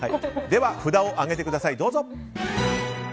では、札を上げてください。